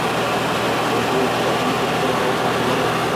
একি কখনো সত্য ভালোবাসা হতে পারে?